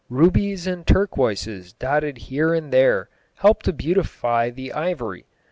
Rubies and turquoises dotted here and there help to beautify the ivory.